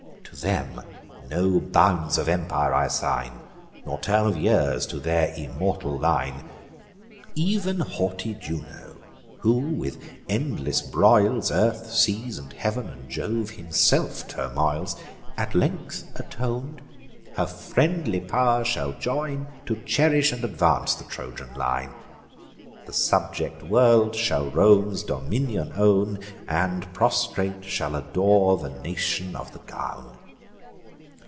To them no bounds of empire I assign, Nor term of years to their immortal line. Ev'n haughty Juno, who, with endless broils, Earth, seas, and heav'n, and Jove himself turmoils; At length aton'd, her friendly pow'r shall join, To cherish and advance the Trojan line. The subject world shall Rome's dominion own, And, prostrate, shall adore the nation of the gown.